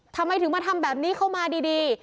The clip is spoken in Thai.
ทำไมถึงมาทำแบบนี้เข้ามาดี